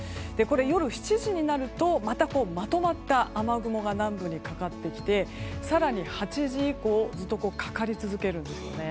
夜７時になるとまたｍまとまった雨雲が南部にかかってきて更に８時以降ずっとかかり続けるんです。